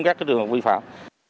các trường hợp vi phạm